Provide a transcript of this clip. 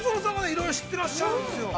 いろいろ知ってらっしゃるんですよね。